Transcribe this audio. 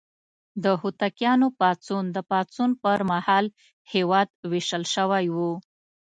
د هوتکیانو پاڅون: د پاڅون پر مهال هېواد ویشل شوی و.